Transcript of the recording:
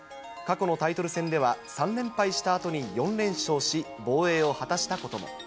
過去のタイトル戦では、３連敗したあとに４連勝し、防衛を果たしたことも。